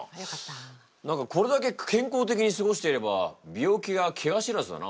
これだけ健康的に過ごしていれば病気やけが知らずだな。